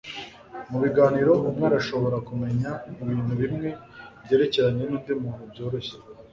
Mubiganiro umwe arashobora kumenya ibintu bimwe byerekeranye nundi muntu byoroshye